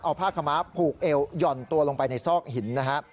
เอาผ้าขม้าผูกเอวหย่อนตัวลงไปในซอกหินนะฮะ